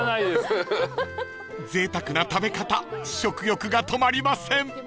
［ぜいたくな食べ方食欲が止まりません］